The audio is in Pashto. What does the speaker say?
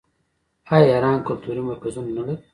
آیا ایران کلتوري مرکزونه نلري؟